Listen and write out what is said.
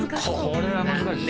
これは難しい！